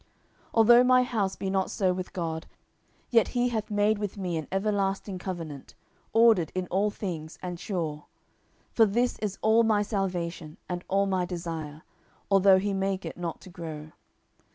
10:023:005 Although my house be not so with God; yet he hath made with me an everlasting covenant, ordered in all things, and sure: for this is all my salvation, and all my desire, although he make it not to grow.